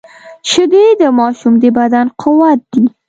شیدې د ماشوم د بدن قوت دي